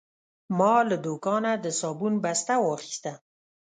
ما له دوکانه د صابون بسته واخیسته.